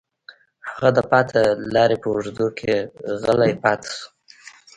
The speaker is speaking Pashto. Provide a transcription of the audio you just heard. هغه د پاتې لارې په اوږدو کې غلی پاتې شو